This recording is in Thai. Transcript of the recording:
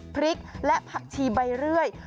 พริกและผักชีใบเรื่อย